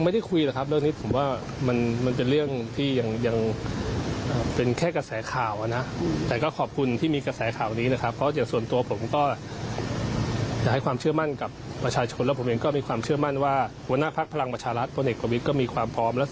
ถ้ามีก็คงมีการแถลงเอามา